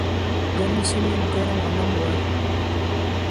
ګرمې سیمې ګرم غنم غواړي.